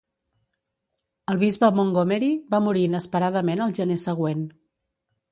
El bisbe Montgomery va morir inesperadament al gener següent.